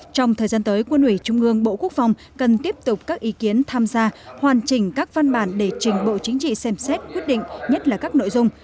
trong thời gian tới quân ủy trung ương bộ quốc phòng cần tiếp tục các ý kiến tham gia hoàn chỉnh các văn bản để trình bộ chính trị xem xét quyết định nhất là các nội dung